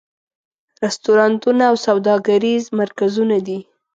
رستورانتونه او سوداګریز مرکزونه دي.